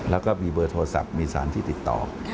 แล้วก็มีเบอร์โทรศัพท์มีสารที่ติดต่อ